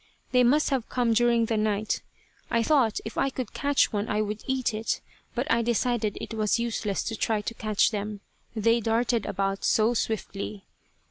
They must have come during the night. I thought if I could catch one I would eat it, but I decided it was useless to try to catch them, they darted about so swiftly.